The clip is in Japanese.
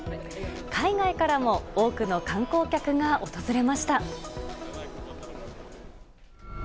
海外からも多くの観光客が訪れました。